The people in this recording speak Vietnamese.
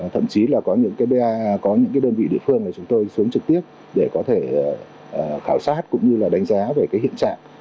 thậm chí là có những đơn vị địa phương chúng tôi xuống trực tiếp để có thể khảo sát cũng như là đánh giá về hiện trạng